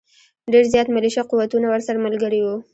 ډېر زیات ملېشه قوتونه ورسره ملګري وو.